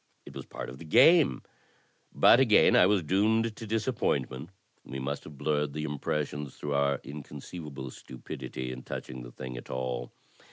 It was part of the game. But again I was doomed to disappointment. We must have blurred the impres sions through our inconceivable stupidity in touching the thing at all.